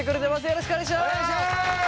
よろしくお願いします。